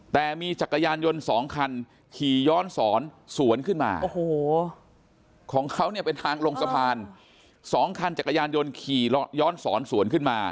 แต่มีจักรยานยนต์๒คันขี่ย้อนสอนสวนขึ้นมาโอ้โหของเขาเนี่ยเป็นทางลงสะพาน๒คันจักรยานยนต์ขี่ย้อนสอนสวนขึ้นมา